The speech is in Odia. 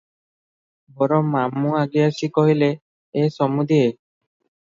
ବର ମାମୁ ଆଗେଇ ଆସି କହିଲେ, "ଏ ସମୁଧିଏ!